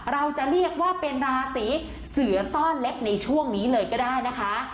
เราจะเรียกว่าเป็นราศีเสือซ่อนเล็กในช่วงนี้เลยก็ได้นะคะ